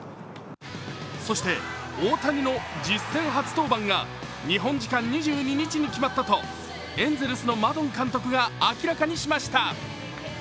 そして、大谷の実戦初登板が日本時間２２日に決まったとエンゼルスのマドン監督が明らかにしました。